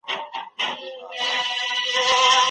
ځوانان جذباتي وي.